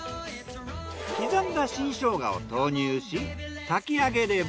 刻んだ新ショウガを投入し炊き上げれば。